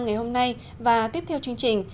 ngày hôm nay và tiếp theo chương trình